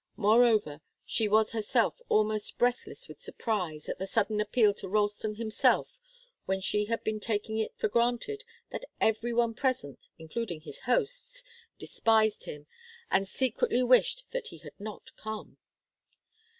Moreover, she was herself almost breathless with surprise at the sudden appeal to Ralston himself, when she had been taking it for granted that every one present, including his hosts, despised him, and secretly wished that he had not come.